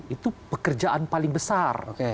itu pekerjaan paling besar